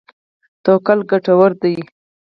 توکل ګټور دی.